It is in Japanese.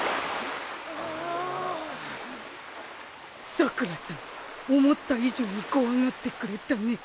さくらさん思った以上に怖がってくれたね。